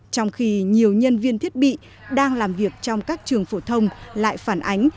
trong khi nhiều nhân viên thiết bị đang làm việc trong các trường phổ thông lại phản ánh